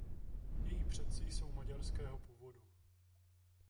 Její předci jsou maďarského původu.